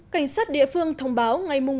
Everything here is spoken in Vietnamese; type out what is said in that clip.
cảnh sát địa phương thông báo ngày một mươi